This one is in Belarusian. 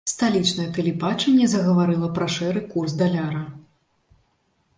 Сталічнае тэлебачанне загаварыла пра шэры курс даляра.